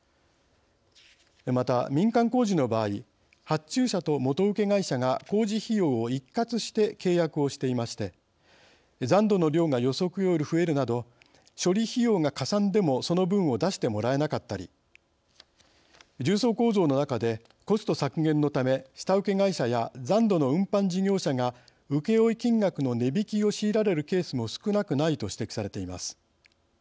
また、民間工事の場合発注者と元請け会社が工事費用を一括して契約をしていまして残土の量が予測より増えるなど処理費用がかさんでもその分を出してもらえなかったり重層構造の中でコスト削減のため下請け会社や残土の運搬事業者が請負金額の値引きを強いられるケースも少なくないと指摘されています。